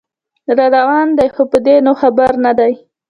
راروان دی خو په دې نو خبر نه دی